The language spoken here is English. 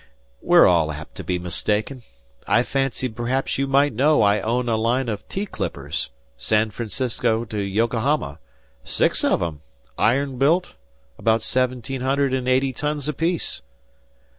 "We're all apt to be mistaken. I fancied perhaps you might know I own a line of tea clippers San Francisco to Yokohama six of 'em iron built, about seventeen hundred and eighty tons apiece.